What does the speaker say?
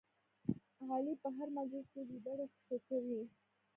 علي په هر مجلس کې ګیدړې خوشې کوي.